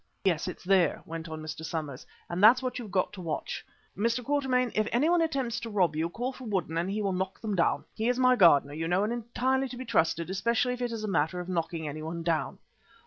"Yes, it's there," went on Mr. Somers, "and that's what you've got to watch. Mr. Quatermain, if anyone attempts to rob you, call for Woodden and he will knock them down. He's my gardener, you know, and entirely to be trusted, especially if it is a matter of knocking anyone down."